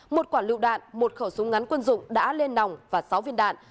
một quả lựu đạn một khẩu súng ngắn quân dụng đã lên nòng và sáu viên đạn